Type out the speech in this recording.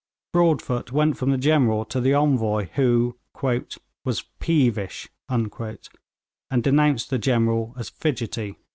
"' Broadfoot went from the General to the Envoy, who 'was peevish,' and denounced the General as fidgety.